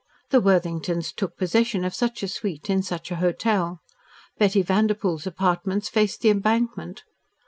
The Worthingtons took possession of such a suite in such a hotel. Bettina Vanderpoel's apartments faced the Embankment.